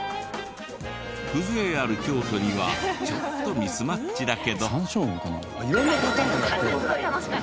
風情ある京都にはちょっとミスマッチだけど。